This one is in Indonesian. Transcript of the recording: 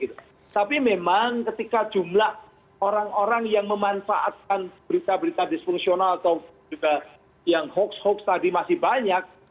tapi memang ketika jumlah orang orang yang memanfaatkan berita berita disfungsional atau juga yang hoax hoax tadi masih banyak